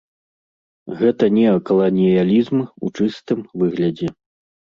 Гэта неакаланіялізм у чыстым выглядзе.